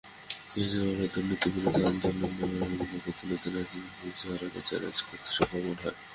কেজরিওয়াল দুর্নীতিবিরোধী আন্দোলনের মাধ্যমে গতানুগতিক রাজনীতির ধারাকে চ্যালেঞ্জ করতে সক্ষম হয়েছেন।